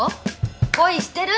恋してる？